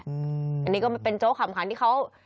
อันนี้ก็เป็นโจ๊กขำขันที่เขา